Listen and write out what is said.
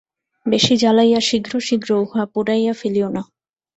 বেশী জ্বালাইয়া শীঘ্র শীঘ্র উহা পুড়াইয়া ফেলিও না।